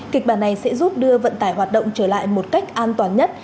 kịch bản này sẽ giúp đưa vận tải hoạt động trở lại một cách an toàn nhất